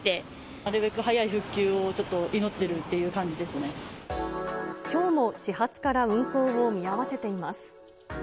なるべく早い復旧をちょっときょうも始発から運行を見合わせています。